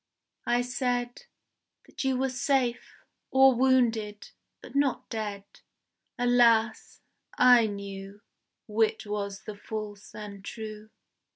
I said That you were safe or wounded but not dead. Alas! I knew Which was the false and true.